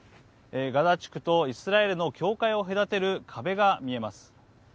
ガザ地区とイスラエルの境界を隔てる壁が見えます。